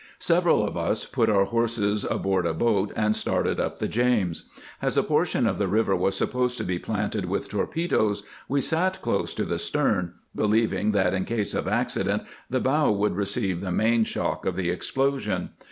Several of us put our horses aboard a boat, and started up the James. As a portion of the river was supposed to be planted with torpedoes, we sat close to the stern, believing that in case of accident the bow would receive 494 CAMPAIGNING WITH GEANT the main shock of the explosion.